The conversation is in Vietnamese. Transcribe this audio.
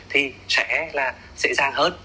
thì sẽ là dễ dàng hơn